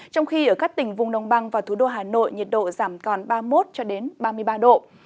trong khi ở các tỉnh vùng nông băng và thủ đô hà nội nhiệt độ giảm còn ba mươi một ba mươi ba độ